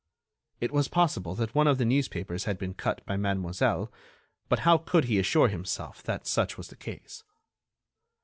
It was possible that one of the newspapers had been cut by mademoiselle; but how could he assure himself that such was the case?